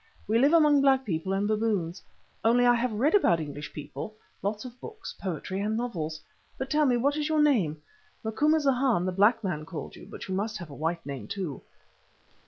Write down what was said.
We live among black people and baboons—only I have read about English people—lots of books—poetry and novels. But tell me what is your name? Macumazahn the black man called you, but you must have a white name, too."